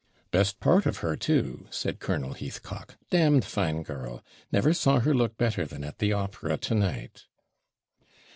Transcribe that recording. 'Best part of her, too,' said Colonel Heathcock; 'd d fine girl! never saw her look better than at the opera to night!'